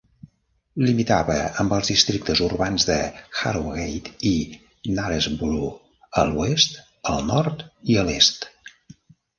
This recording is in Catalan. Limitava amb els districtes urbans de Harrogate i Knaresborough a l'oest, al nord i a l'est.